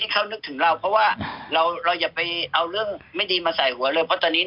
ก็ว่าเราอย่าไปเอาเรื่องไม่ดีมาใส่หัวเลยเวี้ย